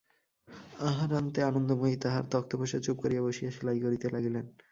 আহারান্তে আনন্দময়ী তাঁহার তক্তপোশে চুপ করিয়া বসিয়া সেলাই করিতে লাগিলেন।